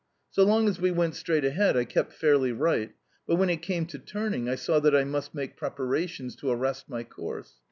So long as we went straight ahead I kept fairly right, but when it came to turning I saw that I must make preparations to arrest my course.